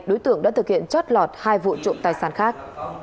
đối tượng đã thực hiện chót lọt hai vụ trộm tài sản khác